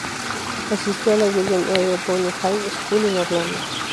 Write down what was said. Asistió a la William R. Boone High School en Orlando.